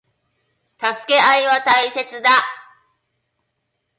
助け合いは大切だ。